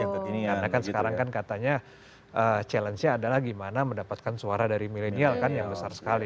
karena kan sekarang kan katanya challenge nya adalah gimana mendapatkan suara dari milenial kan yang besar sekali